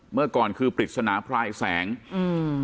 เมื่อก่อนคือปริศนาพลายแสงอืม